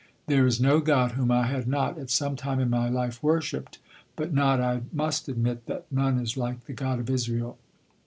There is no god whom I had not, at some time in my life, worshipped, but not I must admit that none is like the God of Israel.